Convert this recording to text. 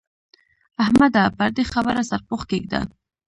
احمده! پر دې خبره سرپوښ کېږده.